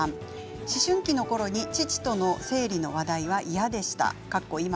思春期のころに父との生理の話題は嫌でした。